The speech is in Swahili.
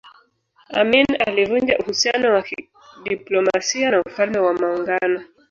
Amin alivunja uhusiano wa kidiplomasia na Ufalme wa Maungano